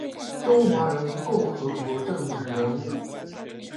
中华人民共和国政治人物。